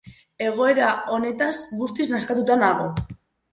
Egoera honetaz guztiz nazkatuta nago.